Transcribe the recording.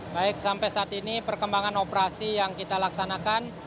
baik sampai saat ini perkembangan operasi yang kita laksanakan